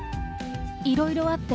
いろいろあって、